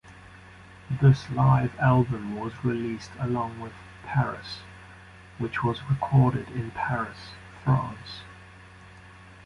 This live album was released along with "Paris", which was recorded in Paris, France.